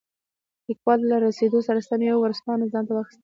لیکوال له رارسېدو سره سم یوه ورځپاڼه ځانته واخیسته.